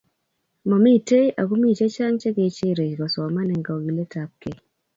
Momitei ago mi chechang chekecherei kosoman eng kogiletabkei